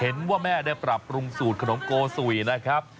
เห็นว่าแม่ได้ปรับปรุงสูตรขนมโกสุยนะครับ